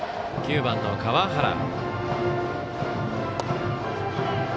９番の川原。